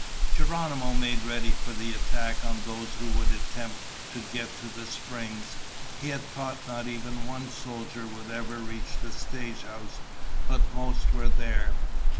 Geronimo made ready for the attack on those who would attempt to get to the springs. He had thought not even one soldier would ever reach the stagehouse, but most were there.